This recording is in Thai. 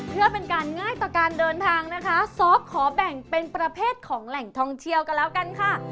เพื่อเป็นการง่ายต่อการเดินทางนะคะซอฟต์ขอแบ่งเป็นประเภทของแหล่งท่องเที่ยวกันแล้วกันค่ะ